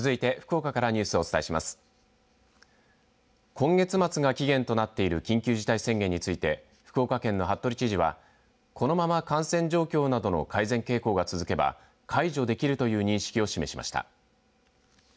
今月末が期限となっている緊急事態宣言について福岡県の服部知事はこのまま感染状況などの改善傾向が続けば解除できるという認識を示しました。